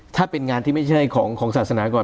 ถ้าเป็นงานที่ไม่ใช่ของศาสนาก่อน